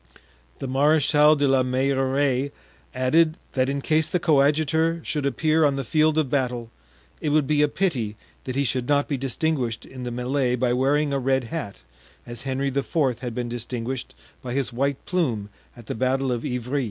The Marechal de la Meilleraie added that in case the coadjutor should appear on the field of battle it would be a pity that he should not be distinguished in the melee by wearing a red hat, as Henry IV. had been distinguished by his white plume at the battle of Ivry.